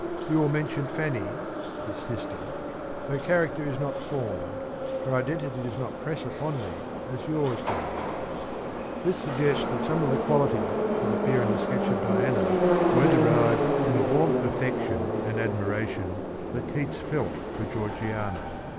You will mention Fanny [his sister] — her character is not formed, her identity does not press upon me as yours does."^ This suggests that some of the qualities that appear in the sketch of Diana were derived from the warm affection and admiration that Keats felt for Georeiana.